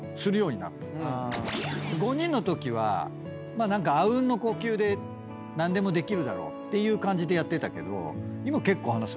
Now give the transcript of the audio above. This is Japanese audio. ５人のときはまあ何かあうんの呼吸で何でもできるだろうっていう感じでやってたけど今結構話すようになって。